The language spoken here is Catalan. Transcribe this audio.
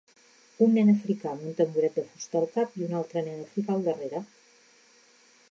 Un nen africà amb un tamboret de fusta al cap i un altre nen africà al darrere.